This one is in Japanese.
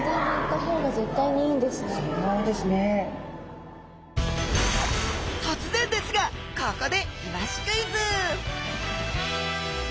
とつぜんですがここでイワシクイズ！